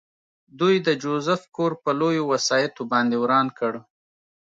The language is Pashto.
دوی د جوزف کور په لویو وسایطو باندې وران کړ